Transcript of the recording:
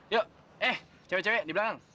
yuk eh cewek cewek di belakang